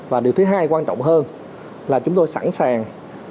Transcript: và điều thứ hai quan trọng hơn là chúng tôi sẵn sàng